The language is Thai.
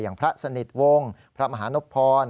พระสนิทวงศ์พระมหานพร